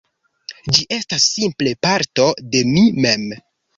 Ĝi estas simple parto de mi mem